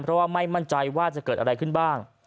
เพราะว่าไม่มั่นใจว่าจะเกิดอะไรขึ้นบ้าง